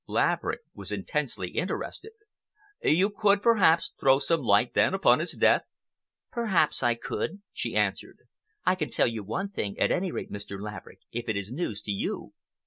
Laverick was intensely interested. "You could, perhaps, throw some light, then, upon his death?" "Perhaps I could," she answered. "I can tell you one thing, at any rate, Mr. Laverick, if it is news to you.